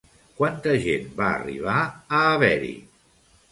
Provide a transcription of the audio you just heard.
Quanta gent va arribar a haver-hi?